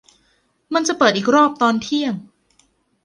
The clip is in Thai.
มันจะเปิดอีกรอบตอนเที่ยง